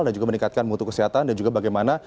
dan juga meningkatkan mutu kesehatan